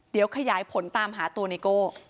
เดี๋ยวขยายผลตามหาตัวไนโก้